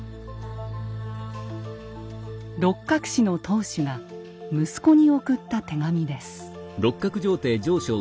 六角氏の当主が息子に送った手紙です。